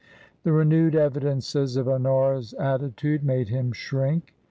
The renewed evidences of Honora's attitude made him shrink.